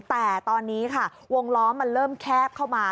แต่ตอนนี้ค่ะวงล้อมันเริ่มแคบเข้ามา